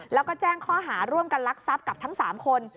แล้วก็แจ้งข้อหาร่วมกันลักทรัพย์กับทั้ง๓คน